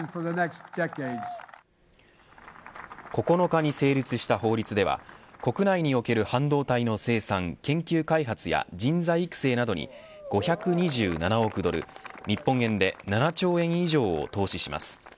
９日に成立した法律では国内における半導体の生産研究開発や人材育成などに５２７億ドル日本円で７兆円以上を投資します。